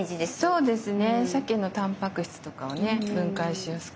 そうですね。